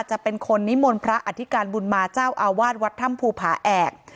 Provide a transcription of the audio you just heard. จะเป็นคนนิมนต์พระอธิการบุญมาเจ้าอาวาสวัดถ้ำภูผาแอก